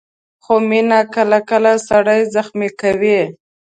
خو مینه کله کله سړی زخمي کوي.